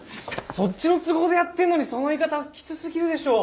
そっちの都合でやってんのにその言い方はきつすぎるでしょう。